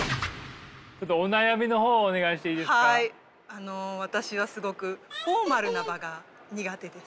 あの私はすごくフォーマルな場が苦手です。